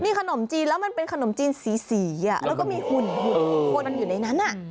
นี่ขนมจีนแล้วมันเป็นขนมจีนสีแล้วก็มีหุ่นปนอยู่ในนั้น